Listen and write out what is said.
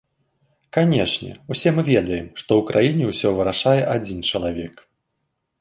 Канешне, усе мы ведаем, што ў краіне ўсё вырашае адзін чалавек.